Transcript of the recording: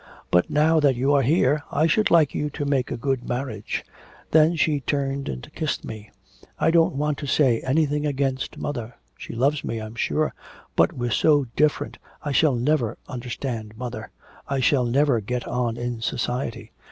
But now that you are here I should like you to make a good marriage." Then she turned and kissed me.... I don't want to say anything against mother; she loves me, I'm sure: but we're so different, I shall never understand mother, I shall never get on in society.